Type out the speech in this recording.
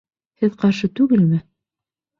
Һеҙ ҡаршы түгелме?